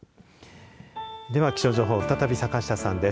では、気象情報再び、坂下さんです。